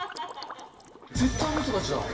絶対あの人たちだ。